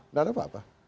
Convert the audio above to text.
tidak ada apa apa